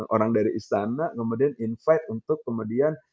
orang dari istana kemudian invite untuk kemudian